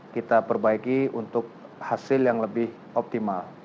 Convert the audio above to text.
kita perbaiki untuk hasil yang lebih optimal